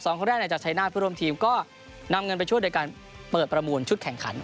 คนแรกจากชายนาฏเพื่อร่วมทีมก็นำเงินไปช่วยโดยการเปิดประมูลชุดแข่งขัน